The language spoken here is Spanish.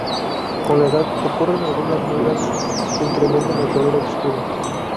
Con la edad ocurren algunas mudas que incrementan el color obscuro.